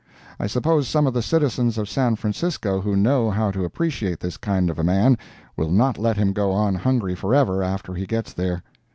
I suppose some of the citizens of San Francisco who know how to appreciate this kind of a man will not let him go on hungry forever after he gets there.